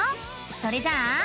それじゃあ。